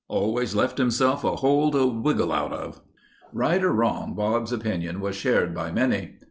Always left himself a hole to wiggle out of." Right or wrong, Bob's opinion was shared by many.